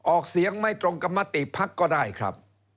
ออกเสียงไม่ตรงกับมติภักดิ์ก็ได้ครับ